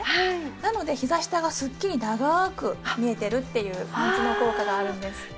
なのでひざ下がすっきり長く見えているっていうパンツの効果があるんです。